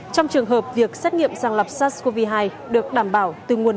trong trường hợp việc xét nghiệm sàng lọc sars cov hai được đảm bảo từ nguồn